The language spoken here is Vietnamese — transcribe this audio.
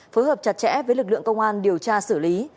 phối hợp chặt chẽ với lực lượng công an điều tra xử lý